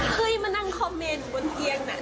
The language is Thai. เฮ้ยมานั่งคอมเมนต์บนเตียงน่ะ